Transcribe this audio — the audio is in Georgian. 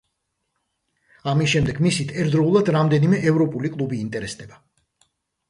ამის შემდეგ მისით ერთდროულად რამდენიმე ევროპული კლუბი ინტერესდება.